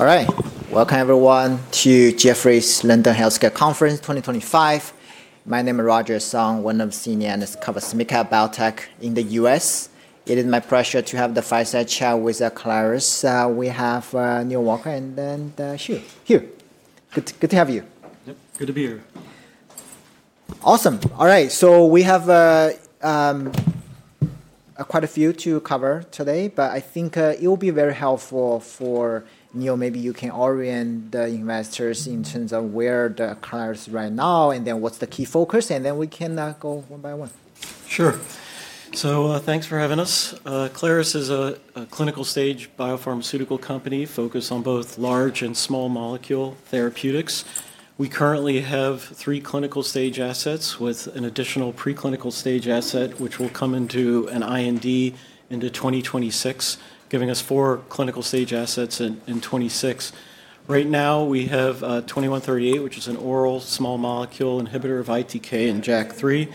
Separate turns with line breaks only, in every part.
All right. Welcome, everyone, to Jefferies London Healthcare Conference 2025. My name is Roger Song, one of the senior analysts covering SMICA Biotech in the US. It is my pleasure to have the fireside chat with Aclaris Therapeutics. We have Dr. Neal Walker and then Hugh. Hugh, good to have you.
Good to be here.
Awesome. All right. We have quite a few to cover today, but I think it will be very helpful for Neal. Maybe you can orient the investors in terms of where Aclaris Therapeutics is right now, and then what's the key focus, and then we can go one by one.
Sure. Thanks for having us. Aclaris Therapeutics is a clinical-stage biopharmaceutical company focused on both large and small molecule therapeutics. We currently have three clinical-stage assets with an additional preclinical-stage asset, which will come into an IND in 2026, giving us four clinical-stage assets in 2026. Right now, we have 2138, which is an oral small molecule inhibitor of ITK and JAK3,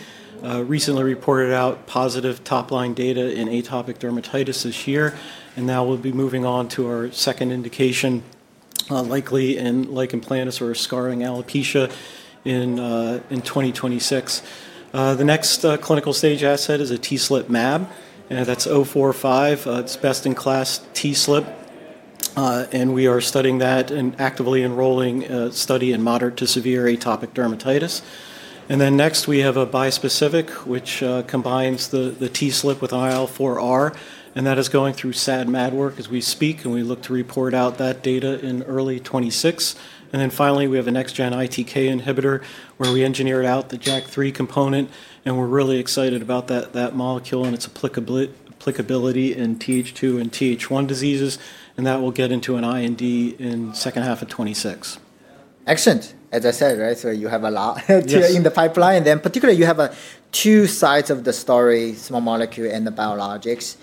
recently reported out positive top-line data in Atopic dermatitis this year. Now we'll be moving on to our second indication, likely in lichen planus or scarring alopecia in 2026. The next clinical-stage asset is a TSLP MAB. That's 045. It's best-in-class TSLP. We are studying that and actively enrolling a study in moderate to severe atopic dermatitis. Next, we have a bispecific, which combines the TSLP with IL4R, and that is going through SAD/MAD work as we speak, and we look to report out that data in early 2026. Finally, we have a next-gen ITK inhibitor where we engineered out the JAK3 component, and we're really excited about that molecule and its applicability in TH2 and TH1 diseases. That will get into an IND in the second half of 2026.
Excellent. As I said, right, you have a lot in the pipeline. You have two sides of the story, small molecule and the biologics.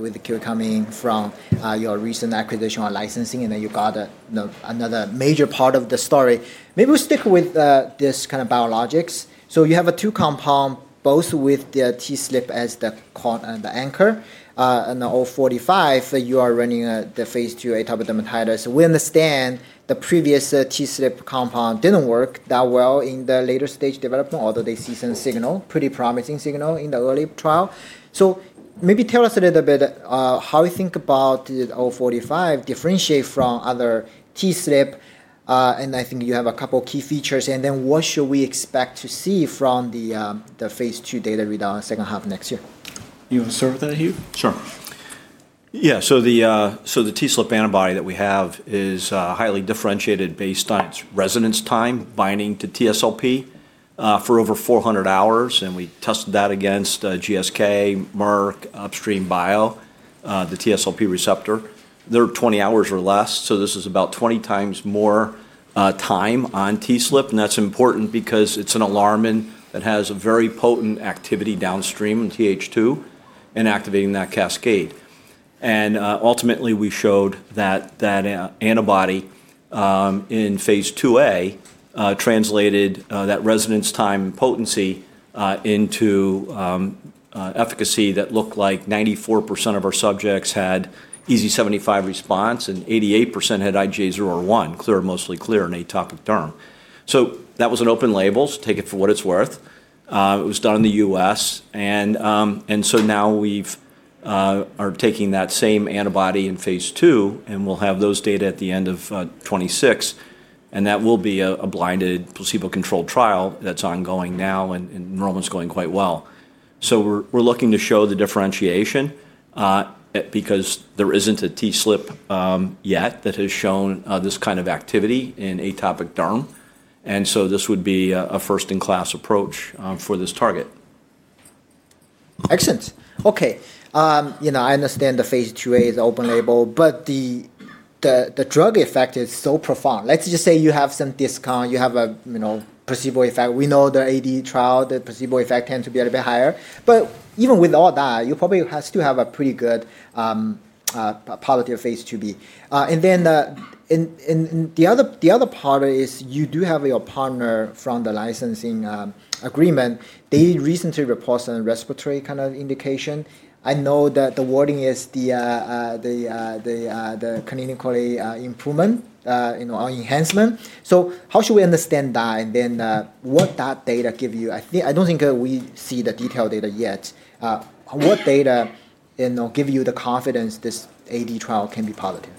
With the Q coming from your recent acquisition on licensing, you got another major part of the story. Maybe we will stick with this kind of biologics. You have a two-compound, both with the TSLP as the anchor. The 045, you are running the phase two atopic dermatitis. We understand the previous TSLP compound did not work that well in the later stage development, although they see some signal, pretty promising signal in the early trial. Maybe tell us a little bit how you think about the 045 differentiate from other TSLP. I think you have a couple of key features. What should we expect to see from the phase two data readout in the second half of next year?
You want to start with that, Hugh?
Sure. Yeah. So the TSLP antibody that we have is highly differentiated based on its resonance time binding to TSLP for over 400 hours. We tested that against GSK, Merck, Upstream Bio, the TSLP receptor. They are 20 hours or less. This is about 20 times more time on TSLP. That is important because it is an alarm that has a very potent activity downstream in TH2 and activating that cascade. Ultimately, we showed that antibody in phase 2A translated that resonance time potency into efficacy that looked like 94% of our subjects had EASI75 response and 88% had IGA0/1, mostly clear in atopic derm. That was an open label, so take it for what it is worth. It was done in the US. Now we are taking that same antibody in phase two, and we will have those data at the end of 2026. That will be a blinded placebo-controlled trial that's ongoing now, and enrollment's going quite well. We're looking to show the differentiation because there isn't a TSLP yet that has shown this kind of activity in atopic derm. This would be a first-in-class approach for this target.
Excellent. Okay. I understand the phase 2A is open label, but the drug effect is so profound. Let's just say you have some discount, you have a placebo effect. We know the AD trial, the placebo effect tends to be a little bit higher. Even with all that, you probably still have a pretty good positive phase 2B. The other part is you do have your partner from the licensing agreement. They recently reported on respiratory kind of indication. I know that the wording is the clinically improvement or enhancement. How should we understand that? What does that data give you? I don't think we see the detailed data yet. What data gives you the confidence this AD trial can be positive?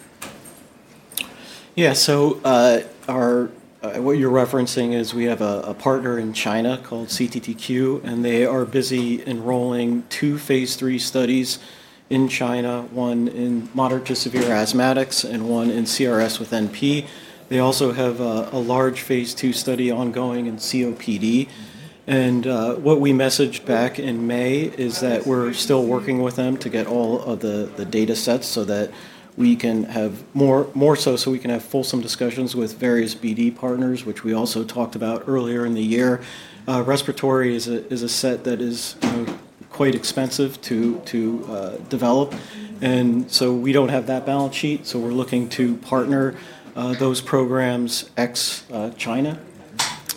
Yeah. So what you're referencing is we have a partner in China called CTTQ, and they are busy enrolling two phase three studies in China, one in moderate to severe asthmatics and one in CRS with NP. They also have a large phase two study ongoing in COPD. What we messaged back in May is that we're still working with them to get all of the data sets so that we can have more, so we can have fulsome discussions with various BD partners, which we also talked about earlier in the year. Respiratory is a set that is quite expensive to develop. We don't have that balance sheet. We're looking to partner those programs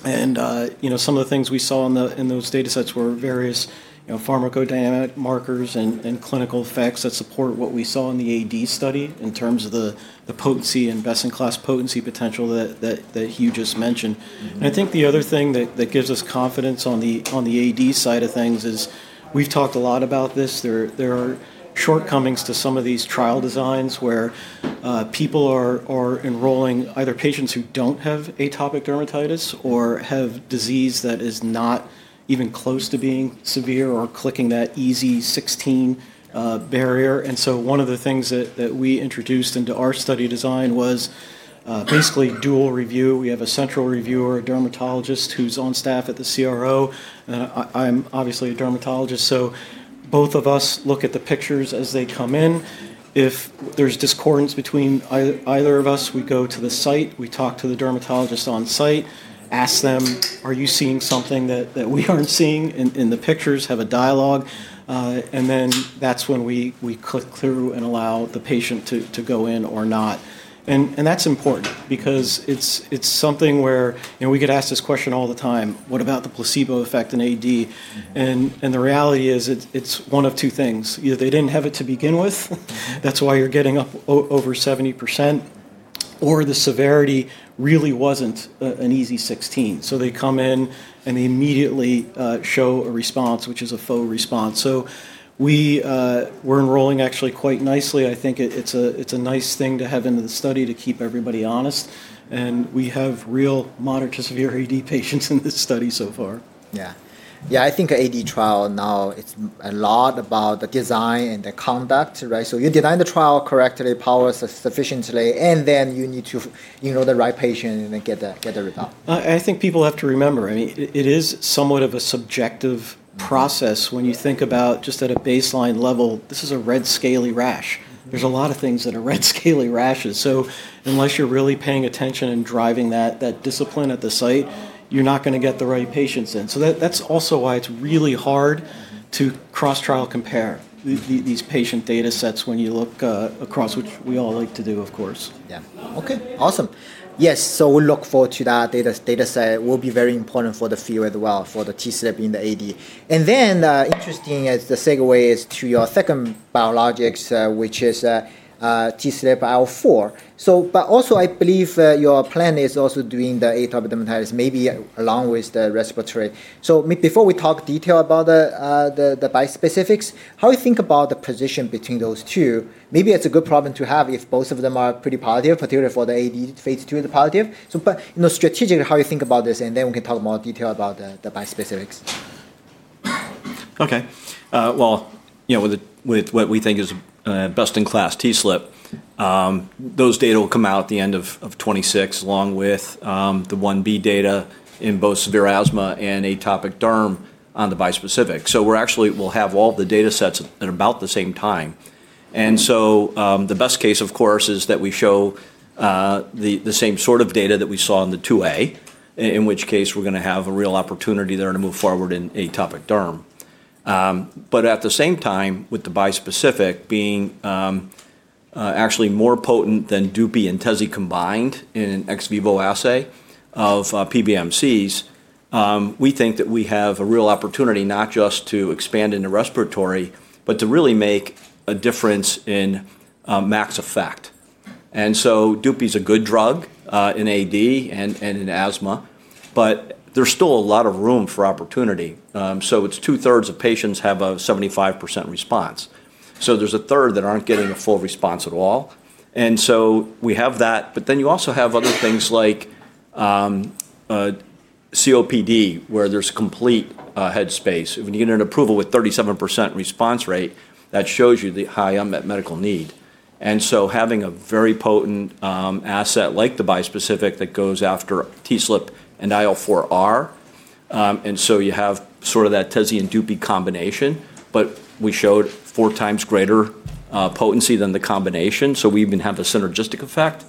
ex-China. Some of the things we saw in those data sets were various pharmacodynamic markers and clinical effects that support what we saw in the AD study in terms of the potency and best-in-class potency potential that Hugh just mentioned. I think the other thing that gives us confidence on the AD side of things is we've talked a lot about this. There are shortcomings to some of these trial designs where people are enrolling either patients who do not have atopic dermatitis or have disease that is not even close to being severe or clicking that EASI 16 barrier. One of the things that we introduced into our study design was basically dual review. We have a central reviewer, a dermatologist who is on staff at the CRO. I'm obviously a dermatologist. Both of us look at the pictures as they come in. If there's discordance between either of us, we go to the site, we talk to the dermatologist on site, ask them, "Are you seeing something that we aren't seeing in the pictures?" Have a dialogue. That is when we click through and allow the patient to go in or not. That is important because it's something where we get asked this question all the time, "What about the placebo effect in AD?" The reality is it's one of two things. Either they didn't have it to begin with, that's why you're getting up over 70%, or the severity really wasn't an EASI 16. They come in and they immediately show a response, which is a faux response. We're enrolling actually quite nicely. I think it's a nice thing to have into the study to keep everybody honest. We have real moderate to severe AD patients in this study so far.
Yeah. Yeah. I think AD trial now, it's a lot about the design and the conduct, right? So you design the trial correctly, power sufficiently, and then you need to enroll the right patient and then get the result.
I think people have to remember, I mean, it is somewhat of a subjective process when you think about just at a baseline level, this is a red scaly rash. There's a lot of things that are red scaly rashes. Unless you're really paying attention and driving that discipline at the site, you're not going to get the right patients in. That's also why it's really hard to cross-trial compare these patient data sets when you look across, which we all like to do, of course.
Yeah. Okay. Awesome. Yes. We look forward to that data set. It will be very important for the field as well for the TSLP in the AD. Interesting as the segue is to your second biologic, which is TSLP IL4R. I believe your plan is also doing the atopic dermatitis, maybe along with the respiratory. Before we talk detail about the bispecifics, how do you think about the position between those two? Maybe it's a good problem to have if both of them are pretty positive, particularly if the AD phase two is positive. Strategically, how do you think about this? We can talk more detail about the bispecifics.
Okay. With what we think is best-in-class TSLP, those data will come out at the end of 2026 along with the 1b data in both severe asthma and atopic derm on the bispecific. We will have all the data sets at about the same time. The best case, of course, is that we show the same sort of data that we saw in the 2a, in which case we are going to have a real opportunity there to move forward in atopic derm. At the same time, with the bispecific being actually more potent than DUPIXENT and Tezspire combined in an ex vivo assay of PBMCs, we think that we have a real opportunity not just to expand into respiratory, but to really make a difference in max effect. DUPE is a good drug in AD and in asthma, but there's still a lot of room for opportunity. It's two-thirds of patients have a 75% response. There's a third that aren't getting a full response at all. We have that. You also have other things like COPD, where there's complete head space. When you get an approval with 37% response rate, that shows you the high unmet medical need. Having a very potent asset like the bispecific that goes after TSLP and IL4R, you have sort of that TESI and DUPE combination, but we showed four times greater potency than the combination. We even have a synergistic effect.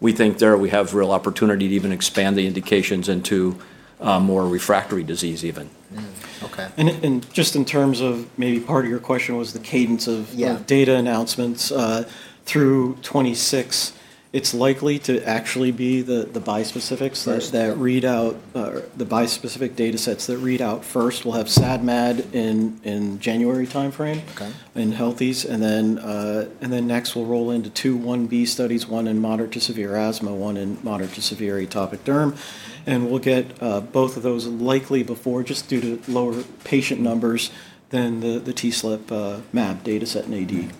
We think there we have real opportunity to even expand the indications into more refractory disease even.
Just in terms of maybe part of your question was the cadence of data announcements through 2026, it's likely to actually be the bispecifics that read out, the bispecific data sets that read out first. We'll have SAD/MAD in January timeframe in healthies. Next, we'll roll into two 1b studies, one in moderate to severe asthma, one in moderate to severe atopic derm. We'll get both of those likely before, just due to lower patient numbers than the TSLP MAB data set in AD.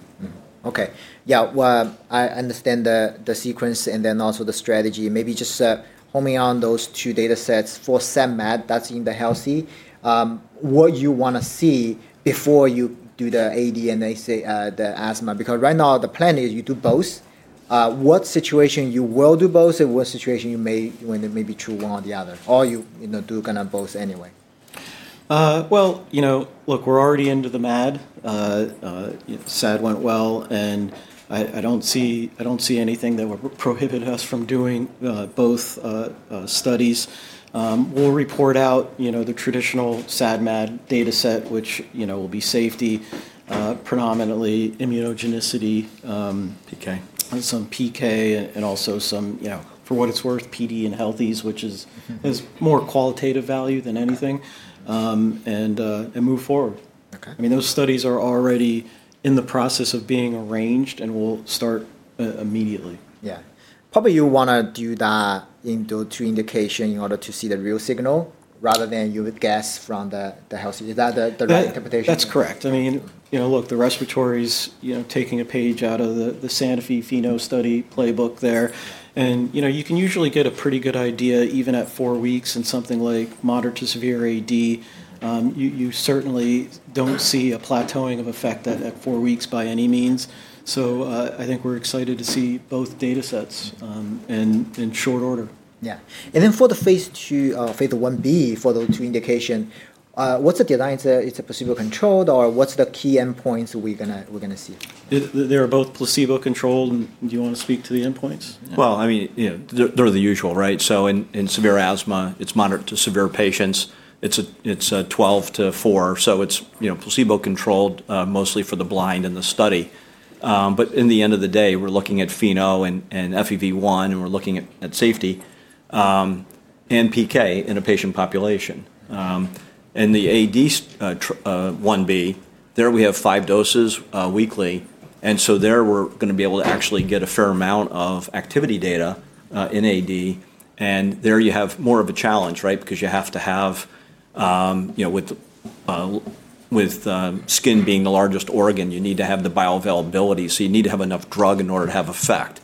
Okay. Yeah. I understand the sequence and then also the strategy. Maybe just homing on those two data sets for SAD/MAD, that's in the healthy, what you want to see before you do the AD and the asthma. Because right now, the plan is you do both. What situation you will do both and what situation you may do one or the other, or you do kind of both anyway?
Look, we're already into the MAD. SAD went well, and I don't see anything that would prohibit us from doing both studies. We'll report out the traditional SAD/MAD data set, which will be safety, predominantly immunogenicity, some PK, and also some, for what it's worth, PD and healthies, which has more qualitative value than anything, and move forward. I mean, those studies are already in the process of being arranged, and we'll start immediately.
Yeah. Probably you want to do that in those two indications in order to see the real signal rather than you would guess from the healthy. Is that the right interpretation?
That's correct. I mean, look, the respiratory is taking a page out of the Sanofi FINO study playbook there. You can usually get a pretty good idea even at four weeks in something like moderate to severe AD. You certainly don't see a plateauing of effect at four weeks by any means. I think we're excited to see both data sets in short order.
Yeah. And then for the phase two, phase 1b for those two indications, what's the design? Is it placebo-controlled or what's the key endpoints we're going to see?
They're both placebo-controlled. Do you want to speak to the endpoints?
I mean, they're the usual, right? In severe asthma, it's moderate to severe patients. It's a 12 to four. It's placebo-controlled mostly for the blind in the study. In the end of the day, we're looking at FINO and FEV1, and we're looking at safety and PK in a patient population. In the AD 1B, there we have five doses weekly. There we're going to be able to actually get a fair amount of activity data in AD. There you have more of a challenge, right? You have to have, with skin being the largest organ, you need to have the bioavailability. You need to have enough drug in order to have effect.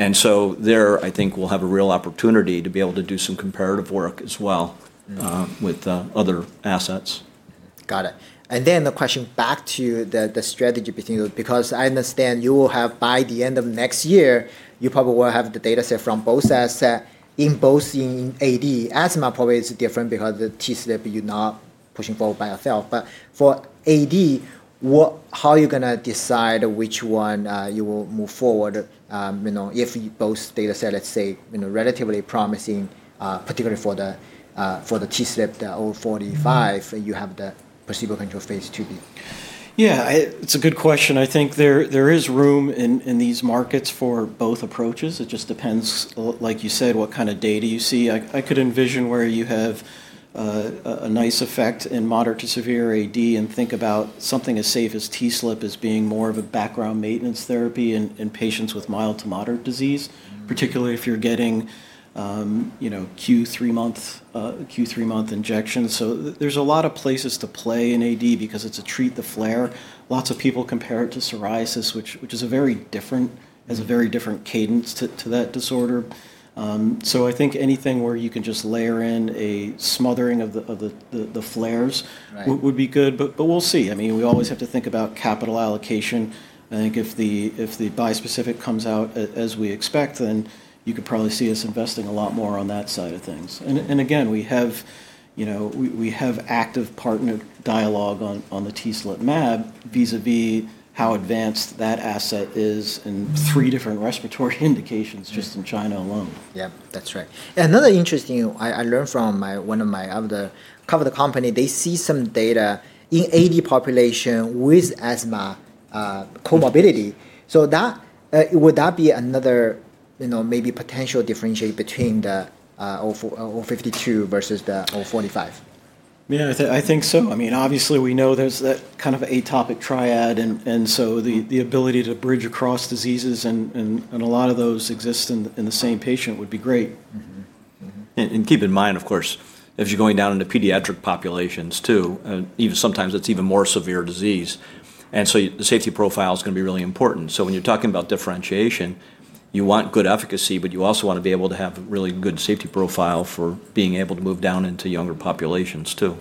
There, I think we'll have a real opportunity to be able to do some comparative work as well with other assets.
Got it. And then the question back to the strategy between those, because I understand you will have by the end of next year, you probably will have the data set from both in both in AD. Asthma probably is different because the TSLP you're not pushing forward by yourself. But for AD, how are you going to decide which one you will move forward if both data set, let's say, relatively promising, particularly for the TSLP 045, you have the placebo-controlled phase 2B?
Yeah, it's a good question. I think there is room in these markets for both approaches. It just depends, like you said, what kind of data you see. I could envision where you have a nice effect in moderate to severe AD and think about something as safe as TSLP as being more of a background maintenance therapy in patients with mild to moderate disease, particularly if you're getting Q3 month injections. There are a lot of places to play in AD because it's a treat the flare. Lots of people compare it to psoriasis, which has a very different cadence to that disorder. I think anything where you can just layer in a smothering of the flares would be good. We'll see. I mean, we always have to think about capital allocation. I think if the bispecific comes out as we expect, then you could probably see us investing a lot more on that side of things. Again, we have active partner dialogue on the TSLP MAB vis-à-vis how advanced that asset is in three different respiratory indications just in China alone.
Yeah, that's right. Another interesting thing I learned from one of my other covered companies, they see some data in AD population with asthma comorbidity. Would that be another maybe potential differentiator between the 052 versus the 045?
Yeah, I think so. I mean, obviously, we know there's that kind of atopic triad. I mean, the ability to bridge across diseases and a lot of those exist in the same patient would be great.
Keep in mind, of course, if you're going down into pediatric populations too, sometimes it's even more severe disease. The safety profile is going to be really important. When you're talking about differentiation, you want good efficacy, but you also want to be able to have a really good safety profile for being able to move down into younger populations too.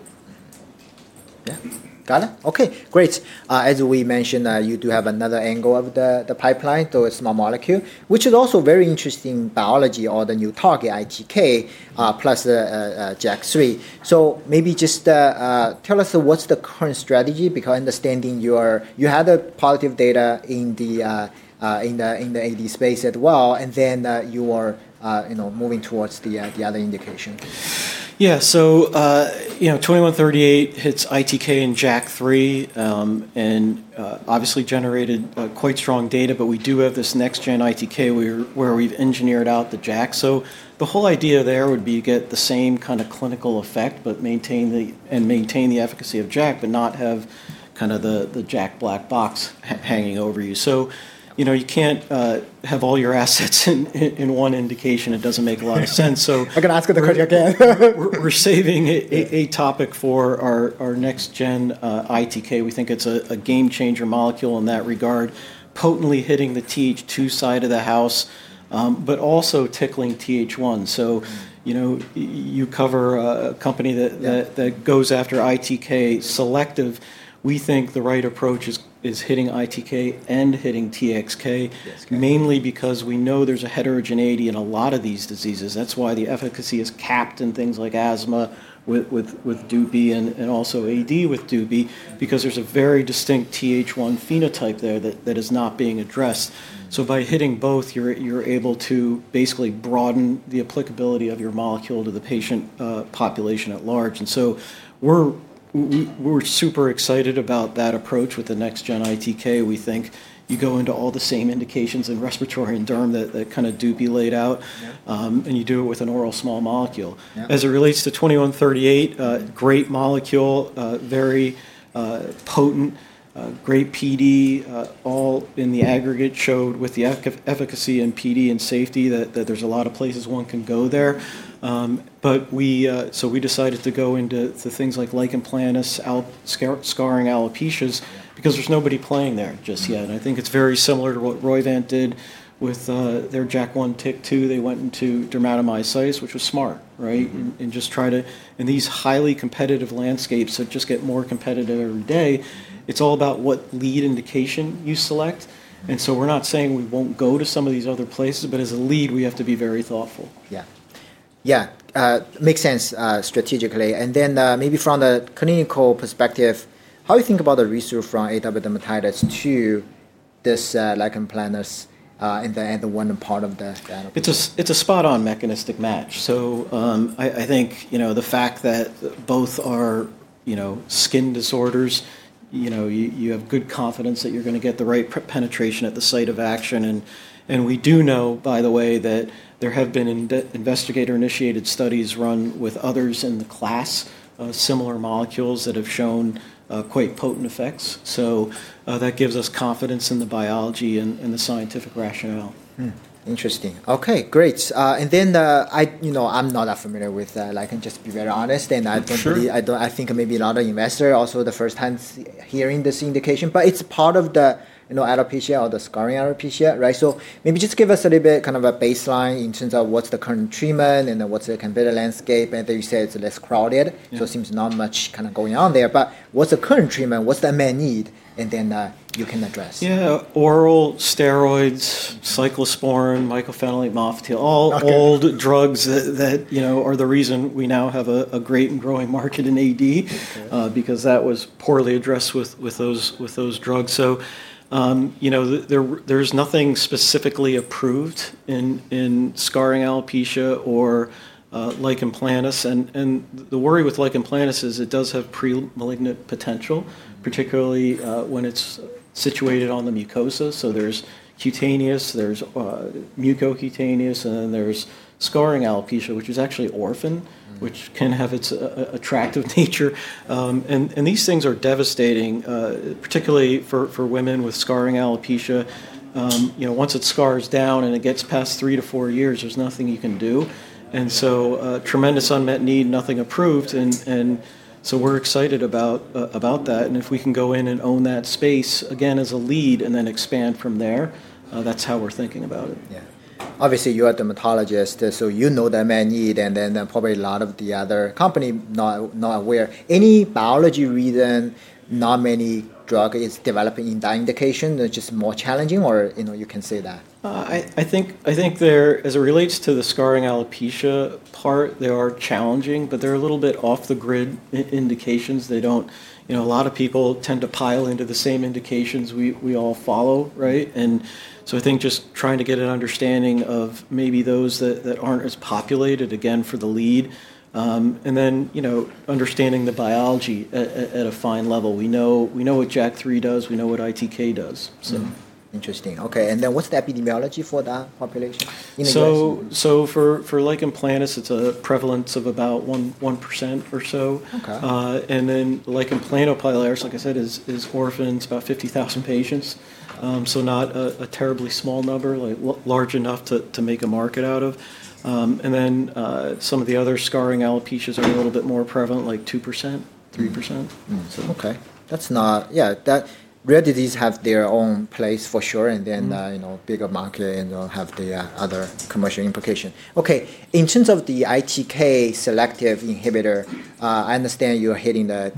Yeah. Got it. Okay. Great. As we mentioned, you do have another angle of the pipeline, though it's small molecule, which is also very interesting biology or the new target ITK plus JAK3. So maybe just tell us what's the current strategy because I understand you had positive data in the AD space as well, and then you are moving towards the other indication.
Yeah. So 2138 hits ITK and JAK3 and obviously generated quite strong data, but we do have this next-gen ITK where we've engineered out the JAK. The whole idea there would be to get the same kind of clinical effect and maintain the efficacy of JAK, but not have kind of the JAK black box hanging over you. You can't have all your assets in one indication. It doesn't make a lot of sense.
I can ask you the question again.
We're saving a topic for our next-gen ITK. We think it's a game-changer molecule in that regard, potently hitting the TH2 side of the house, but also tickling TH1. You cover a company that goes after ITK selective. We think the right approach is hitting ITK and hitting TXK, mainly because we know there's a heterogeneity in a lot of these diseases. That's why the efficacy is capped in things like asthma with Dupixent and also AD with Dupixent, because there's a very distinct TH1 phenotype there that is not being addressed. By hitting both, you're able to basically broaden the applicability of your molecule to the patient population at large. We are super excited about that approach with the next-gen ITK. We think you go into all the same indications in respiratory and derm that kind of DUPIXENT out, and you do it with an oral small molecule. As it relates to 2138, great molecule, very potent, great PD, all in the aggregate showed with the efficacy and PD and safety that there's a lot of places one can go there. We decided to go into things like lichen planus, scarring alopecia because there's nobody playing there just yet. I think it's very similar to what Roivant did with their JAK1 TYK2. They went into dermatomyositis, which was smart, right? In these highly competitive landscapes that just get more competitive every day, it's all about what lead indication you select. We're not saying we won't go to some of these other places, but as a lead, we have to be very thoughtful.
Yeah. Yeah. Makes sense strategically. And then maybe from the clinical perspective, how do you think about the research from atopic dermatitis to this lichen planus and the one part of the?
It's a spot-on mechanistic match. I think the fact that both are skin disorders, you have good confidence that you're going to get the right penetration at the site of action. We do know, by the way, that there have been investigator-initiated studies run with others in the class, similar molecules that have shown quite potent effects. That gives us confidence in the biology and the scientific rationale.
Interesting. Okay. Great. I'm not that familiar with lichen, just to be very honest. I think maybe a lot of investors are also the first time hearing this indication, but it's part of the alopecia or the scarring alopecia, right? Maybe just give us a little bit kind of a baseline in terms of what's the current treatment and what's the competitor landscape. You said it's less crowded, so it seems not much kind of going on there. What's the current treatment? What's the main need? You can address.
Yeah. Oral steroids, cyclosporin, mycophenolate mofetil, all old drugs that are the reason we now have a great and growing market in AD because that was poorly addressed with those drugs. There is nothing specifically approved in scarring alopecia or lichen planus. The worry with lichen planus is it does have premalignant potential, particularly when it is situated on the mucosa. There is cutaneous, there is mucocutaneous, and then there is scarring alopecia, which is actually orphan, which can have its attractive nature. These things are devastating, particularly for women with scarring alopecia. Once it scars down and it gets past three to four years, there is nothing you can do. Tremendous unmet need, nothing approved. We are excited about that. If we can go in and own that space again as a lead and then expand from there, that is how we are thinking about it.
Yeah. Obviously, you're a dermatologist, so you know the main need, and then probably a lot of the other company not aware. Any biology reason not many drugs are developing in that indication? It's just more challenging or you can say that?
I think as it relates to the scarring alopecia part, they are challenging, but they're a little bit off the grid indications. A lot of people tend to pile into the same indications we all follow, right? I think just trying to get an understanding of maybe those that aren't as populated, again, for the lead. Then understanding the biology at a fine level. We know what JAK3 does. We know what ITK does.
Interesting. Okay. What's the epidemiology for that population?
For lichen planus, it's a prevalence of about 1% or so. And then lichen planopilaris, like I said, is orphan. It's about 50,000 patients. So not a terribly small number, large enough to make a market out of. And then some of the other scarring alopecia are a little bit more prevalent, like 2%, 3%.
Okay. Yeah. Rare disease have their own place for sure, and then bigger market and have the other commercial implication. Okay. In terms of the ITK selective inhibitor, I understand you're hitting the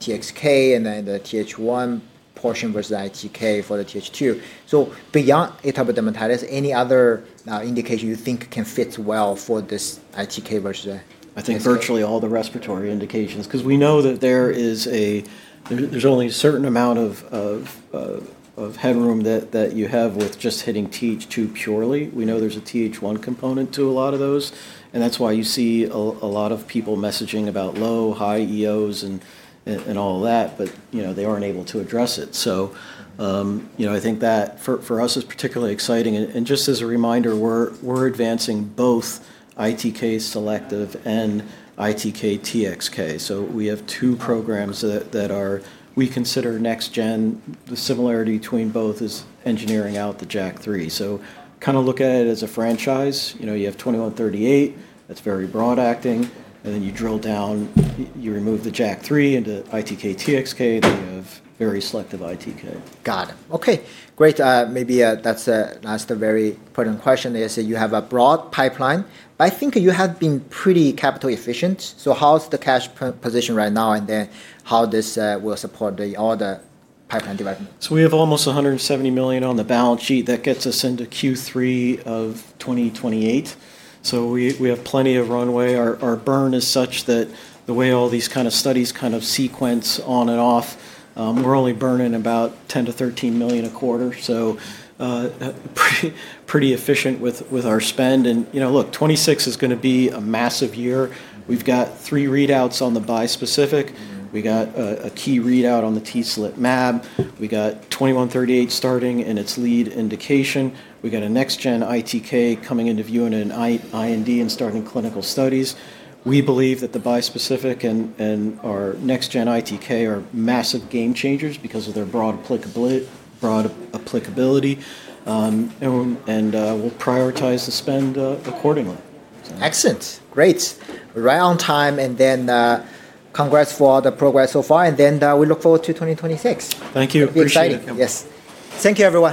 TXK and then the TH1 portion versus ITK for the TH2. So beyond atopic dermatitis, any other indication you think can fit well for this ITK versus?
I think virtually all the respiratory indications because we know that there's only a certain amount of headroom that you have with just hitting TH2 purely. We know there's a TH1 component to a lot of those. That is why you see a lot of people messaging about low, high EOs and all that, but they aren't able to address it. I think that for us is particularly exciting. Just as a reminder, we're advancing both ITK selective and ITK TXK. We have two programs that we consider next-gen. The similarity between both is engineering out the JAK3. Kind of look at it as a franchise. You have 2138. That's very broad-acting. Then you drill down, you remove the JAK3 into ITK TXK, and then you have very selective ITK.
Got it. Okay. Great. Maybe that's a very important question. You have a broad pipeline, but I think you have been pretty capital efficient. How's the cash position right now, and then how this will support all the pipeline development?
We have almost $170 million on the balance sheet that gets us into Q3 of 2028. We have plenty of runway. Our burn is such that the way all these kind of studies sequence on and off, we're only burning about $10-$13 million a quarter. Pretty efficient with our spend. Look, 2026 is going to be a massive year. We've got three readouts on the bispecific. We got a key readout on the TSLP MAB. We got 2138 starting in its lead indication. We got a next-gen ITK coming into view in an IND and starting clinical studies. We believe that the bispecific and our next-gen ITK are massive game changers because of their broad applicability. We'll prioritize the spend accordingly.
Excellent. Great. We're right on time. Congrats for all the progress so far. We look forward to 2026.
Thank you.
We appreciate it.
Appreciate it.
Yes. Thank you, everyone.